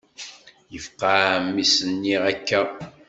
Yefqeɛ mi s-nniɣ akka.